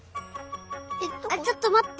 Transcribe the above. あっちょっとまって。